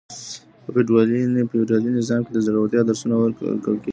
په فيوډالي نظام کي د زړورتيا درسونه ورکول کېدل.